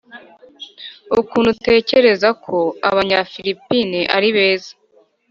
ukuntu utekereza ko abanyafilipine ari beza.